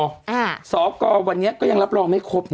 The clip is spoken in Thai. อย่างศอกอร์อ่าศอกอร์วันนี้ก็ยังรับรองไม่ครบน่ะ